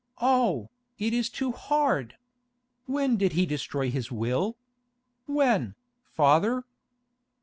Oh, it is too hard! When did he destroy his will? When, father?